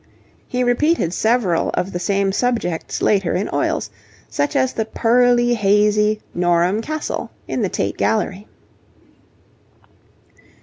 He repeated several of the same subjects later in oils, such as the pearly hazy 'Norham Castle' in the Tate Gallery.